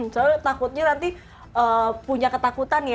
soalnya takutnya nanti punya ketakutan ya